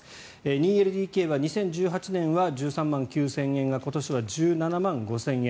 ２ＬＤＫは２０１８年は１３万９０００円が今年は１７万５０００円。